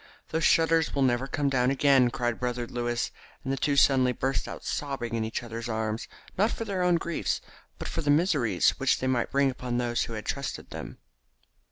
"Those shutters will never come down again," cried brother Louis, and the two suddenly burst out sobbing in each other's arms, not for their own griefs, but for the miseries which they might bring upon those who had trusted them.